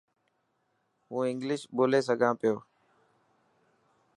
هون انگلش ٻولي سکان پيو.